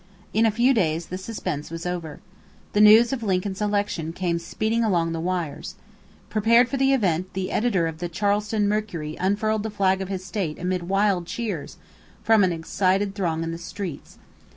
In a few days the suspense was over. The news of Lincoln's election came speeding along the wires. Prepared for the event, the editor of the Charleston Mercury unfurled the flag of his state amid wild cheers from an excited throng in the streets.